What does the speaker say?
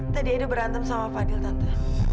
tadi edo berantem sama fadil tante